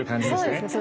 そうですね。